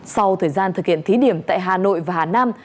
sau thời gian thực hiện thí điểm tại hà nội và hà nam